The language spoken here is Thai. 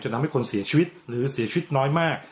ทำให้คนเสียชีวิตหรือเสียชีวิตน้อยมาก